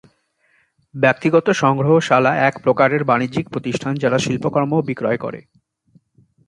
ব্যক্তিগত সংগ্রহশালা একপ্রকারের বাণিজ্যিক প্রতিষ্ঠান যারা শিল্পকর্ম বিক্রয় করে।